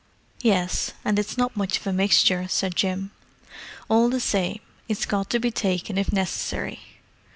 "Yes, and it's not much of a mixture," said Jim. "All the same, it's got to be taken if necessary.